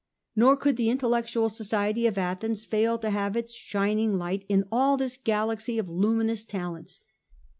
Nor could the intellectual society of Athens fail to have its shining light in all this galaxy of luminous talents.